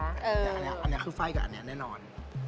อันนี้คือไฟ่กับอันนี้แน่นอน